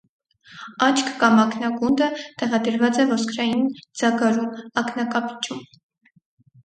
Աչք կամ ակնագունդը տեղադրված է ոսկրային ձագարում՝ ակնակապիճում։